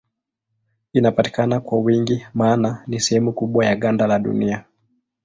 Inapatikana kwa wingi maana ni sehemu kubwa ya ganda la Dunia.